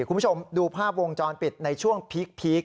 คุณผู้ชมดูภาพวงจรปิดในช่วงพีค